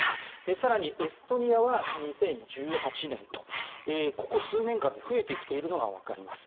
更に、エストニアは２０１８年とここ数年間で増えてきているのが分かります。